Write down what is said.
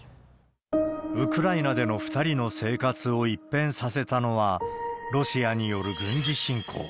ウクライナでの２人の生活を一変させたのは、ロシアによる軍事侵攻。